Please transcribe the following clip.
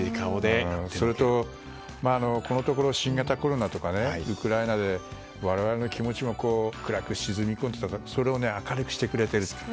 それと、このところ新型コロナやウクライナで我々の気持ちも暗く沈み込んでいたからそれを明るくしてくれる。